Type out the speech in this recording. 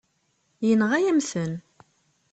Yenɣa-yam-ten.